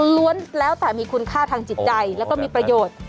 ล้วนแล้วแต่มีคุณค่าทางจิตใจแล้วก็มีประโยชน์